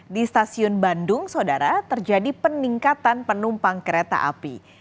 di stasiun bandung saudara terjadi peningkatan penumpang kereta api